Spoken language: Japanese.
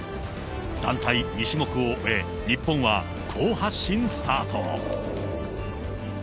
団体２種目を終え、日本は好発進スタート。